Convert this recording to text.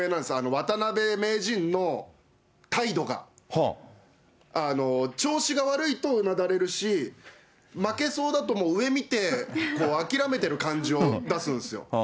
渡辺名人の態度が、調子が悪いとうなだれるし、負けそうだと、もう上見て、諦めてる感じを出すんですよ。